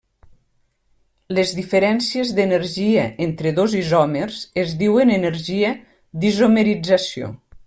Les diferències d'energia entre dos isòmers es diuen energia d'isomerització.